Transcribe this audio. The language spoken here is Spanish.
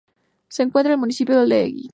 Se encuentra en el Municipio de Lehigh.